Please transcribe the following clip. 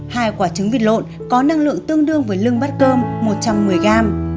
hai quả trứng vịt lộn có năng lượng tương đương với lưng bát cơm một trăm một mươi gram